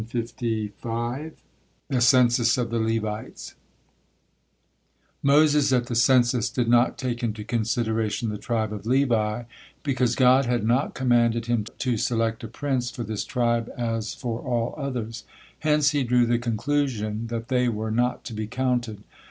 THE CENSUS OF THE LEVITES Moses at the census did not take into consideration the tribe of Levi, because God had not commanded him to select a prince for this tribe as for all others, hence he drew the conclusion that they were not to be counted.